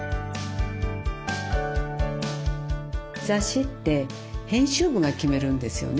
雑誌って編集部が決めるんですよね